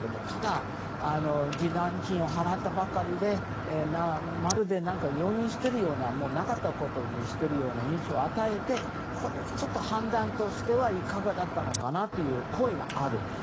ただ、示談金を払ったばかりでまるで容認しているようななかったことにしているような印象を与えてこれはちょっと判断としてはいかがだったのかという声がある。